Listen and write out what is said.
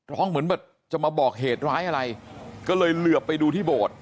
ร้องเหมือนแบบจะมาบอกเหตุร้ายอะไรก็เลยเหลือไปดูที่โบสถ์